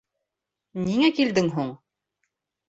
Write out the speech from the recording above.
— Ниңә килдең һуң?